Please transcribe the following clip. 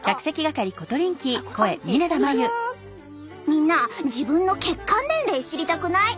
みんな自分の血管年齢知りたくない？